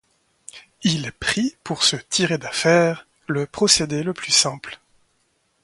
Il prit, pour se tirer d'affaire, le procédé le plus simple.